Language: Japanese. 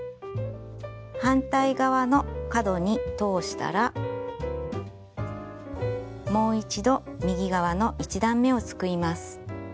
反対側の角に通したらもう一度右側の１段めをすくいます。